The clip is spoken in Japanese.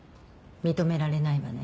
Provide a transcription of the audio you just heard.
認められないわね。